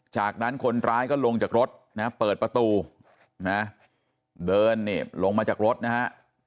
จากนั้นคนร้ายก็ลงจากรถนะเปิดประตูนะเดินนี่ลงมาจากรถนะฮะ